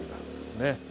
ねっ。